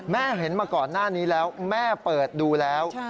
เห็นมาก่อนหน้านี้แล้วแม่เปิดดูแล้ว